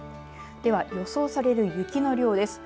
では、予想される雪の量です。